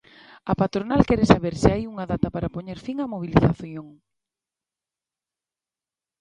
A patronal quere saber se hai unha data para poñer fin á mobilización.